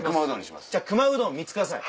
じゃあ熊うどん３つください。